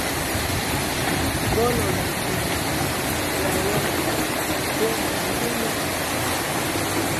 Golola sinda lya wetu twene lubilo.